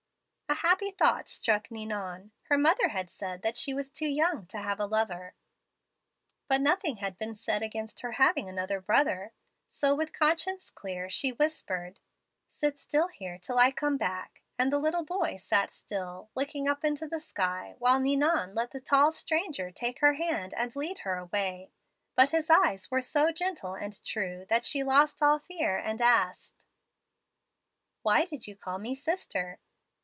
"A happy thought struck Ninon. Her mother had said she was too young to have a lover, but nothing had been said against her having another brother. So, with conscience clear, she whispered, 'Sit still here till I come back '; and the little boy sat still, looking up into the sky, while Ninon let the tall stranger take her hand and lead her away. But his eyes were so gentle and true that she lost all fear and asked, 'Why do you call me sister?'